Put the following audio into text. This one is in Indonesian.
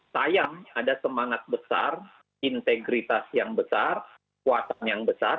sayang ada semangat besar integritas yang besar kekuatan yang besar